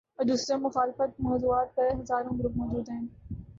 اور دوسرے مختلف موضوعات پر ہزاروں گروپ موجود ہیں۔